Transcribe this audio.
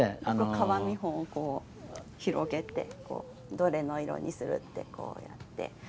革見本を広げてこうどれの色にするってこうやって。